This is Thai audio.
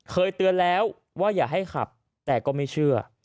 เคยเตือนแล้วว่าอย่าให้ขับแต่ก็ไม่เชื่อ